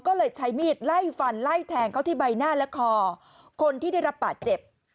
ก็เลยใช้มีดไล่ฟันไล่แทงเขาที่ใบหน้าและคอคนที่ได้รับบาดเจ็บ